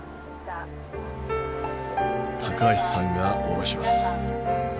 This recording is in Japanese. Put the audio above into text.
橋さんが降ろします。